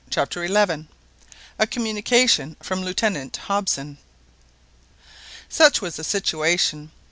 CHAPTER XI A COMMUNICATION FROM LIEUTENANT HOBSON. Such was the situation.